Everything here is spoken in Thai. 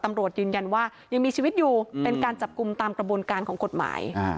ตำรวจยืนยันว่ายังมีชีวิตอยู่เป็นการจับกลุ่มตามกระบวนการของกฎหมาย